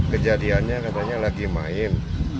kejadiannya katanya lagi main